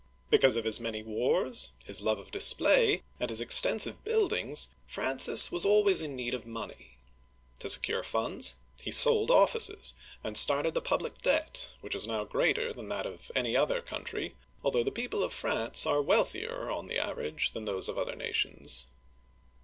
Because of his many wars, his love of display, and his extensive buildings, Francis was always in need of money. To secure funds, he sold offices, and started the public debt, which is now greater than that of any other country, although the people of France are wealthier, on the aver age, than those of other nations.